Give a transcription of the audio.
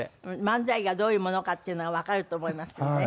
漫才がどういうものかっていうのがわかると思いますけどね。